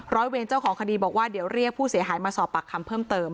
เวรเจ้าของคดีบอกว่าเดี๋ยวเรียกผู้เสียหายมาสอบปากคำเพิ่มเติม